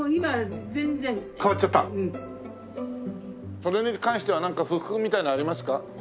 それに関してはなんか不服みたいなのありますか？